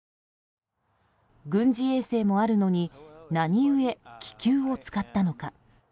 軍事衛星もあるのに何故、気球を使ったのか。